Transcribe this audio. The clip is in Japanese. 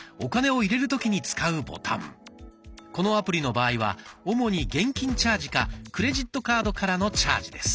このアプリの場合は主に現金チャージかクレジットカードからのチャージです。